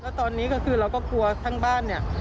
แล้วตอนนี้ก็คือเราก็กลัวทั้งบ้านเนี่ย